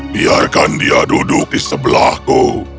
biarkan dia duduk di sebelahku